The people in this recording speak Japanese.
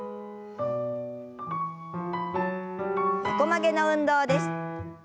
横曲げの運動です。